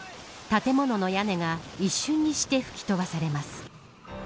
建物の屋根が一瞬にして吹き飛ばされます。